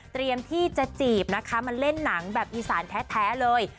เตรียมที่จะจีบมาเล่นหนังแบบอีสานแท้เลย